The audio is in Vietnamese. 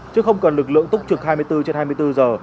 chứ không cần lực lượng túc trực hai mươi bốn trên hai mươi bốn giờ